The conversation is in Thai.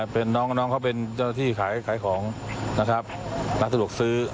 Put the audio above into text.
เป็นน้องน้องเขาเป็นเจ้าหน้าที่ขายของนะครับรักสะดวกซื้อ